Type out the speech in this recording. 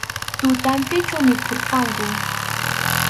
Tutantinchu mikhurqanku.